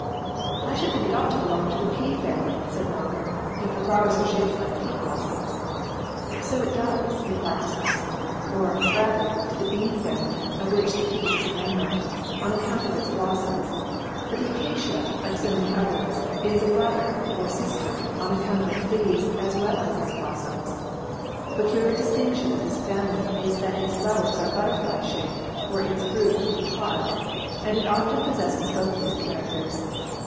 "I should think it ought to belong to the pea family," said Malcolm, "if the flowers are shaped like pea blossoms." "So it does," replied Miss Harson "or, rather, to the bean family, of which the pea is a member, on account of its blossoms; but the acacia, like many others, is a brother, or sister, on account of its leaves as well as its blossoms. The peculiar distinction of this family is that its flowers are butterfly shaped or its fruit in pods, and it often possesses both these characters.